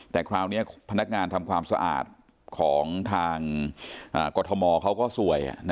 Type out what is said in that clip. แต่คราวเนี้ยพนักงานทำความสะอาดของทางอ่ากฎธมอร์เขาก็สวยอ่ะน่ะ